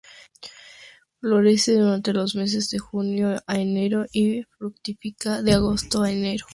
Florece durante los meses de junio a enero y fructifica de agosto a enero.